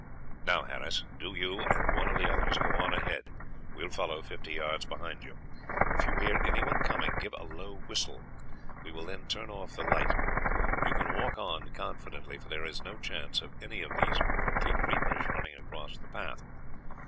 "Now, Harris, do you and one of the others go on ahead; we will follow fifty yards behind you. If you hear anyone coming, give a low whistle; we will then turn off the light. You can walk on confidently, for there is no chance of any of these prickly creepers running across the path.